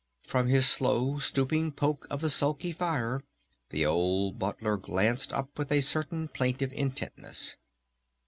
From his slow, stooping poke of the sulky fire the old Butler glanced up with a certain plaintive intentness.